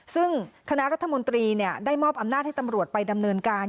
ซึ่งคณะรัฐมนตรีได้มอบอำนาจให้ตำรวจไปดำเนินการ